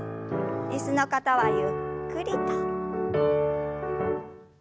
椅子の方はゆっくりと。